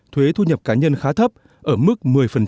thuế thu nhập cá nhân khá thấp ở mức một mươi